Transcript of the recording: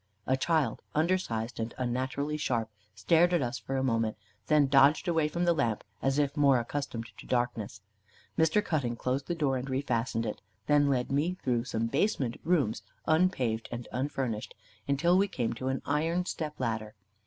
A child, under sized and unnaturally sharp, stared at us for a moment, then dodged away from the lamp, as if more accustomed to darkness. Mr. Cutting closed the door and refastened it, then led me through some basement rooms unpaved and unfurnished, until we came to an iron step ladder.